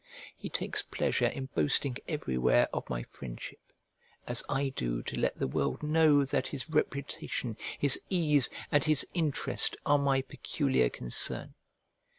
He takes pleasure in boasting everywhere of my friendship; as I do to let the world know that his reputation, his ease, and his interest are my peculiar concern.